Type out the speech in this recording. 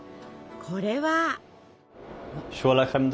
これは？